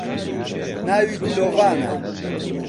ناوی دلۆڤانە